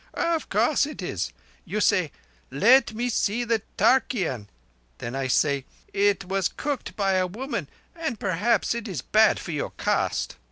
"Of course it is. You say: 'Let me see the tarkeean.' Then I say: 'It was cooked by a woman, and perhaps it is bad for your caste.